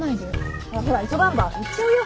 ほらほら急がんば行っちゃうよ。